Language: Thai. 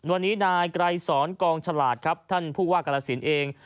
วันนี้นายไกรสอนกองฉลาดครับท่านผู้ว่ากรสินเอง